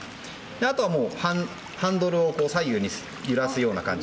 あとは、ハンドルを左右に揺らすような感じ。